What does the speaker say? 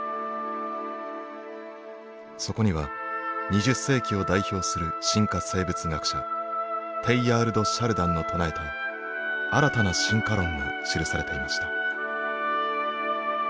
そこには２０世紀を代表する進化生物学者テイヤール・ド・シャルダンの唱えた新たな進化論が記されていました。